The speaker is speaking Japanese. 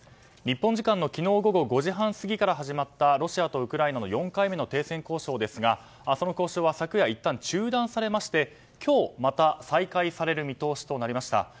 日本時間の昨日午後５時半過ぎから始まったロシアとウクライナの４回目の停戦交渉ですが明日の交渉は昨夜いったん中断されまして今日また再開される見通しとなりました。